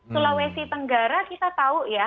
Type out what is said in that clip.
sulawesi tenggara kita tahu ya